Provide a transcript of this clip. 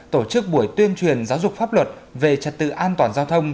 tổ chức buổi tuyên truyền giáo dục pháp luật về trật tự an toàn giao thông